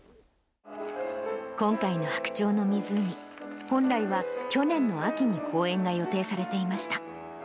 今回の白鳥の湖、本来は去年の秋に公演が予定されていました。